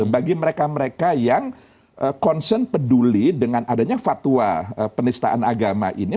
bagi mereka mereka yang concern peduli dengan adanya fatwa penistaan agama ini